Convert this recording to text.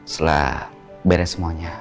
setelah beres semuanya